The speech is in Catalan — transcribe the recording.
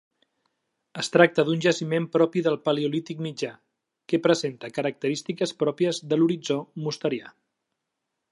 Es tracta d'un jaciment propi del Paleolític mitjà, que presenta característiques pròpies de l'horitzó mosterià.